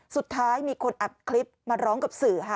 สุดท้ายมีคนอัดคลิปมาร้องกับสื่อค่ะ